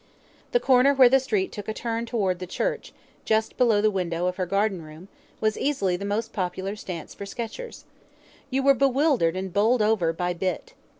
The corner where the street took a turn towards the church, just below the window of her garden room, was easily the most popular stance for sketchers. You were bewildered and bowled over by "bit".